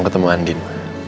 mau ketemu andin